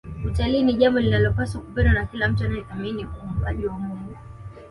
Utalii ni jambo linalopaswa kupendwa na kila mtu anayethamini uumbaji wa Mungu